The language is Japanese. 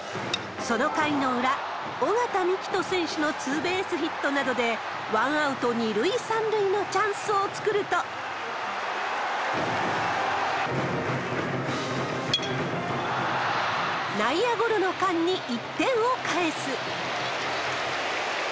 その回の裏、尾形樹人選手のツーベースヒットなどで、ワンアウト２塁３塁のチャンスを作ると、内野ゴロの間に１点を返す。